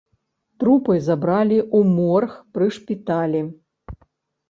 Трупы забралі ў морг пры шпіталі.